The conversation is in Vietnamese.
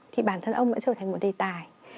thì bản thân ông đã trở thành một đề tài